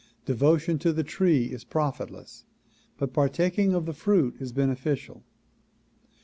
Devo tion to the tree is profitless but partaking of the fruit is bene ficial.